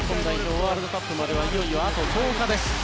ワールドカップまではいよいよあと１０日です。